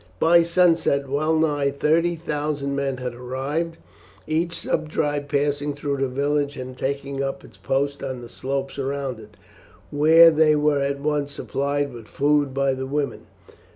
By sunset well nigh thirty thousand men had arrived, each subtribe passing through the village and taking up its post on the slopes around it, where they were at once supplied with food by the women.